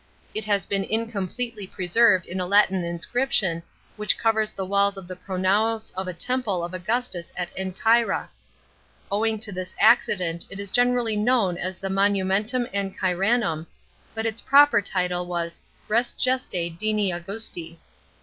It has been incompletely preserved in a Latin inscription which covers the walls of the pronaos of a temple of Augustus at Ancyra. Owing to this accident it is generally known as the Monumentum Ancyranum, but its proper title was JRes gestas diiri Auyusti.